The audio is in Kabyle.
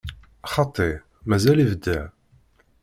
Xaṭi, mazal ibda.